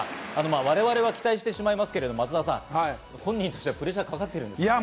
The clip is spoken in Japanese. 我々は期待してしまいますけれども、松田さん、本人としてはプレッシャー、かかってるんでしょうか？